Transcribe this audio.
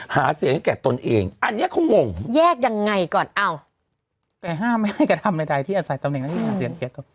หาเสียงให้แก่ตนเองอันนี้เขางงแยกยังไงก่อนอ้าวแต่ห้ามไม่ให้กระทำใดใดที่อาศัยตำแหน่งนั้นหาเสียง